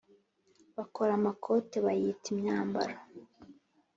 Bakora amakote, bayita imyambaro,